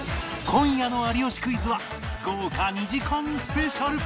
今夜の『有吉クイズ』は豪華２時間スペシャル！